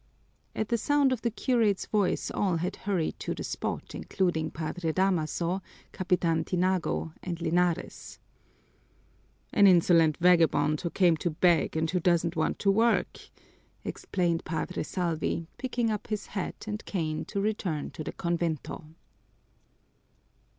At the sound of the curate's voice all had hurried to the spot, including Padre Damaso, Capitan Tiago, and Linares. "An insolent vagabond who came to beg and who doesn't want to work," explained Padre Salvi, picking up his hat and cane to return to the convento.